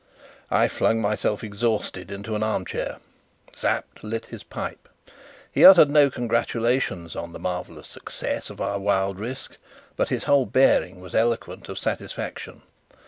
I flung myself exhausted into an armchair. Sapt lit his pipe. He uttered no congratulations on the marvellous success of our wild risk, but his whole bearing was eloquent of satisfaction.